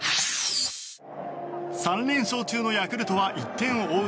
３連勝中のヤクルトは１点を追う